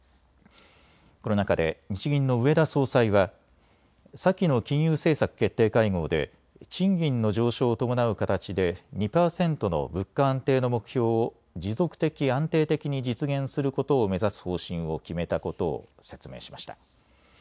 この中で日銀の植田総裁は先の金融政策決定会合で賃金の上昇を伴う形で２％の物価安定の目標を持続的・安定的に実現することを目指す方針を決めたことを説明しました。